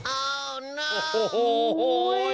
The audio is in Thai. โอ้โหโอ้โห